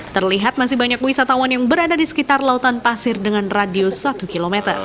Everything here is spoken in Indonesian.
terlihat masih banyak wisatawan yang berada di sekitar lautan pasir dengan radius satu km